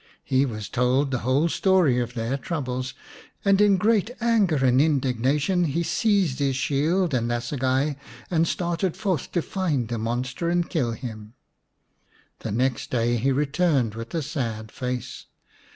He was told the whole story of their troubles, and in great anger and indignation he seized his shield and assegai and started forth to find the monster and kill him. The next day he returned with a sad face.